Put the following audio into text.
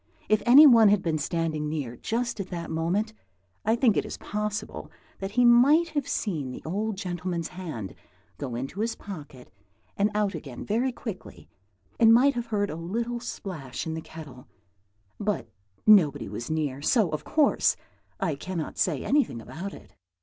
If any one had been standing near just at that moment, I think it is possible that he might have seen the old gentleman's hand go into his pocket and out again very quickly, and might have heard a little splash in the kettle; but nobody was near, so, of course, I cannot say anything about it.